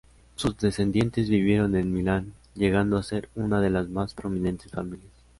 Sus descendientes vivieron en Milán, llegando a ser una de las más prominentes familias.